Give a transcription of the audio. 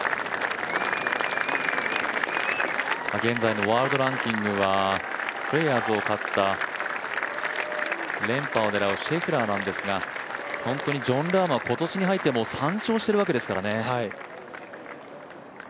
現在のワールドランキングはプレーヤーズを勝った連覇を狙うシェフラーなんですが本当にジョン・ラームは今年に入って３勝してるわけですからね。